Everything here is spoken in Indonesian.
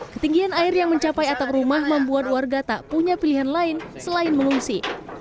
ketinggian air yang mencapai atap rumah membuat warga tak punya pilihan lain selain mengungsi